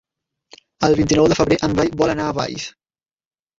El vint-i-nou de febrer en Blai vol anar a Valls.